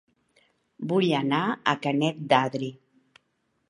Vull anar a Canet d'Adri